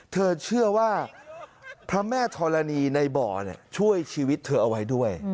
เธอเชื่อว่าพระแม่ธรณีในบ่อช่วยชีวิตเธอเอาไว้ด้วย